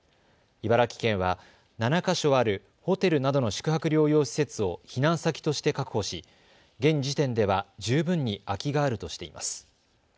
茨城県は７か所あるホテルなどの宿泊療養施設を避難先として確保し、現時点では十分に空きがあるとしています。